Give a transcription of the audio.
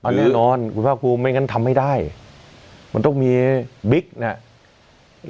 แน่นอนคุณภาคภูมิไม่งั้นทำไม่ได้มันต้องมีบิ๊กเนี่ย